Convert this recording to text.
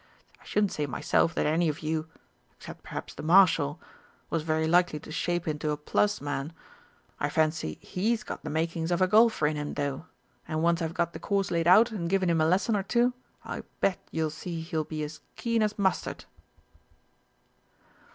I shouldn't say myself that any of you except perhaps the Marshal was very likely to shape into a 'plus' man. I fancy he's got the makings of a golfer in him, though, and, once I've got the course laid out and given him a lesson or two, I bet you'll see he'll be as keen as mustard."